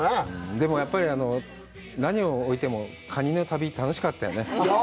でも、やっぱり何を置いても、カニの旅、楽しかったよね。